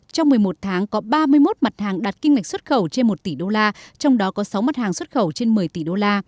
trong một mươi một tháng có ba mươi một mặt hàng đạt kim ngạch xuất khẩu trên một tỷ usd trong đó có sáu mặt hàng xuất khẩu trên một mươi tỷ usd